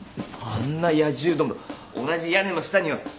あんな野獣ども同じ屋根の下には。